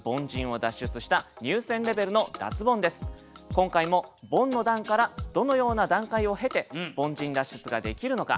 今回もボンの段からどのような段階を経て凡人脱出ができるのか。